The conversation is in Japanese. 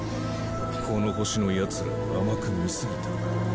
この星のヤツらを甘く見すぎたか。